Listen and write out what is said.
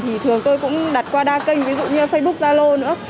thì thường tôi cũng đặt qua đa kênh ví dụ như facebook zalo nữa